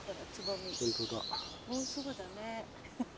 もうすぐだね。